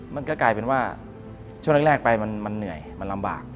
มันก็กลายเป็นว่าช่วงแรกไปมันเหนื่อยมันลำบาก